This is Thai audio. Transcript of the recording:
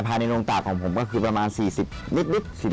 ภายในโรงตากของผมก็คือประมาณ๔๐ลิตร